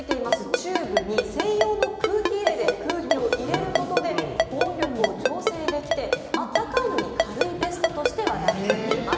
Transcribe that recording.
チューブに専用の空気入れで空気を入れることで保温力を調整できて、温かいのに軽いベストとして話題になっています。